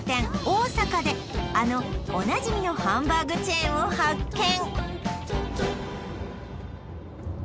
大阪であのおなじみのハンバーグチェーンを発見！